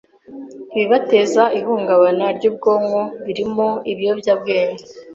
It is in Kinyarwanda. ibibateza ihungabana ry’ubwonko, birimo ibiyobyabwenge.